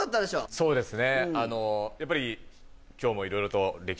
そうですね